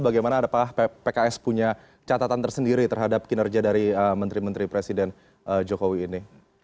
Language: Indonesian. bagaimana pks punya catatan tersendiri terhadap kinerja dari menteri menteri presiden jokowi ini